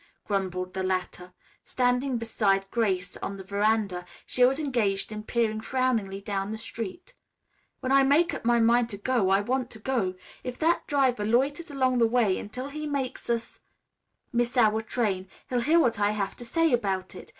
grumbled the latter. Standing beside Grace on the veranda, she was engaged in peering frowningly down the street. "When I make up my mind to go, I want to go. If that driver loiters along the way until he makes us miss our train, he'll hear what I have to say about it.